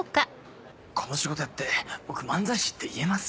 この仕事やって僕漫才師って言えます？